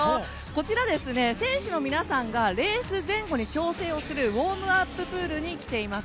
こちらは選手の皆さんがレース前後に調整をするウォームアッププールに来ています。